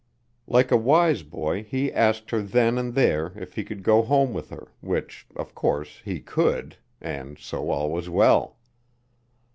Like a wise boy he asked her then and there if he could go home with her, which, of course, he could, and so all was well.